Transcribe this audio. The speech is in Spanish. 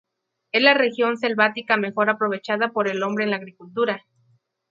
Es la región selvática mejor aprovechada por el hombre en la agricultura.